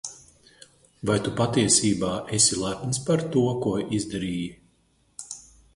Vai tu patiesībā esi lepns par to, ko izdarīji?